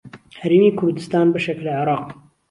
هەرێمی کوردستان بەشێکە لە عێراق.